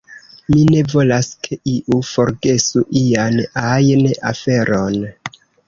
Mi ne volas ke iu forgesu ian ajn aferon.